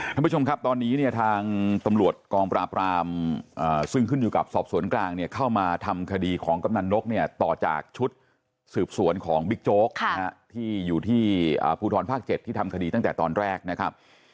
ท่านผู้ชมครับตอนนี้เนี่ยทางตำรวจกองปราบรามซึ่งขึ้นอยู่กับสอบสวนกลางเนี่ยเข้ามาทำคดีของกำนันนกเนี่ยต่อจากชุดสืบสวนของบิ๊กโจ๊กที่อยู่ที่ภูทรภาค๗ที่ทำคดีตั้งแต่ตอนแรกนะครับ